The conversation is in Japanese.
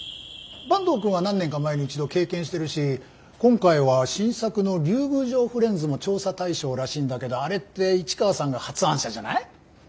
坂東くんは何年か前に一度経験してるし今回は新作の竜宮城フレンズも調査対象らしいんだけどあれって市川さんが発案者じゃない？